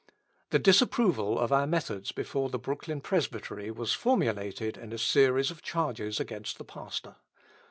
The disapproval of our methods before the Brooklyn Presbytery was formulated in a series of charges against the pastor.